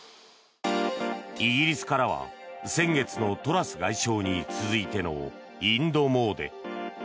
イギリスからは先月のトラス外相に続いてのインド詣で。